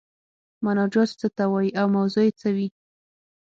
مناجات څه ته وايي او موضوع یې څه وي؟